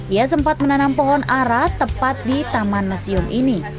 ia sempat menanam pohon ara tepat di taman museum ini